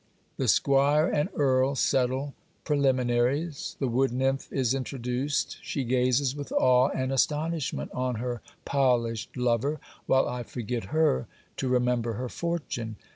The 'Squire and Earl settle preliminaries. The wood nymph is introduced. She gazes with awe and astonishment, on her polished lover: while I forget her, to remember her fortune.